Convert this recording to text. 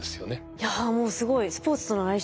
いやもうすごい。